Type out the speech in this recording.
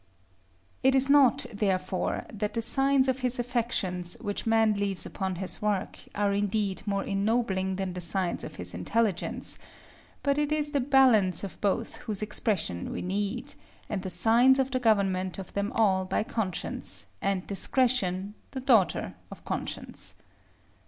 It is not, therefore, that the signs of his affections, which man leaves upon his work, are indeed more ennobling than the signs of his intelligence; but it is the balance of both whose expression we need, and the signs of the government of them all by Conscience; and Discretion, the daughter of Conscience.